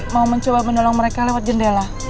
mau mencoba menolong mereka lewat jendela